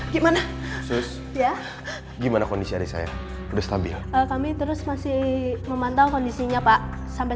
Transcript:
gimana kondisi hari saya udah stabil kami terus masih memantau kondisinya pak sampai